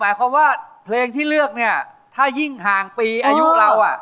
หมายความว่าแรกถ้ายิ่งหางปีอายุเราอะ